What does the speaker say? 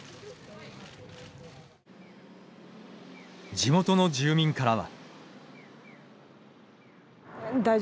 地元の住民からは。